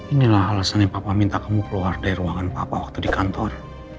inilah alasannya papa minta kamu keluar dari ruangan papa waktu di kantor